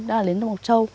đó là đến tàu bọc châu